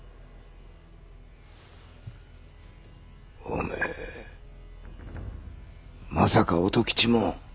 お前まさか音吉も？